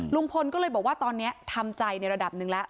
ลุงพลก็เลยบอกว่าตอนนี้ทำใจในระดับหนึ่งแล้ว